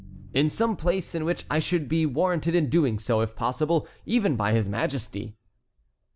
"In some place in which I should be warranted in doing so, if possible, even by his Majesty."